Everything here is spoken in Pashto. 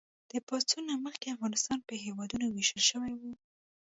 د پاڅون نه مخکې افغانستان په هېوادونو ویشل شوی و.